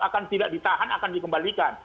akan tidak ditahan akan dikembalikan